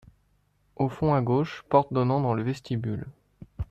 Au fond, à gauche, porte donnant dans le vestibule.